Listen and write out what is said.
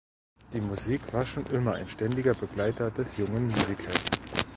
Die Musik war schon immer ein ständiger Begleiter des jungen Musikers.